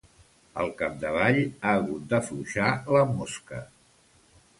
Al capdavall, ha hagut d'afluixar la mosca.